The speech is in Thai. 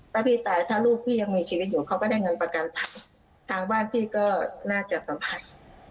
ถ้าพี่ตายถ้าลูกพี่ยังมีชีวิตอยู่เขาก็ได้เงินประกันทางบ้านพี่ก็น่าจะสัมผัส